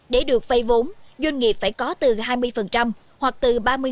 để được vay vốn doanh nghiệp phải có từ hai mươi hoặc từ ba mươi